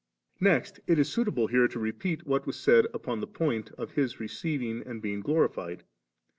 Next it is suitable here to repeat what was said upon the point of His receiving and being glorified.